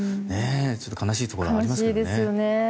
悲しいところがありますね。